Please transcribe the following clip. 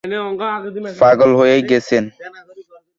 পাগল হয়ে গেছেন?